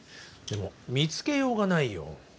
でも見つけようがないよ。